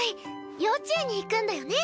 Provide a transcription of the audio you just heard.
幼稚園に行くんだよね？